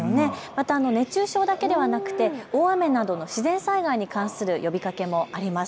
熱中症だけではなくて大雨など自然災害に関する呼びかけもあります。